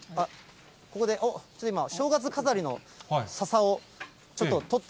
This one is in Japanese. ここで、ちょっと今、正月飾りのささをちょっと取って。